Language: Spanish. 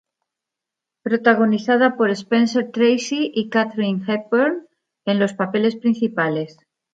Protagonizada por Spencer Tracy y Katharine Hepburn en los papeles principales.